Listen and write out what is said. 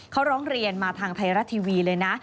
เขาร้องเรียนมาทางไทยรัฐทีวีเลยนะ